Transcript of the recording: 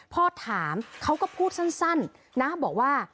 พอถามเขาก็พูดสั้นนะบอกว่า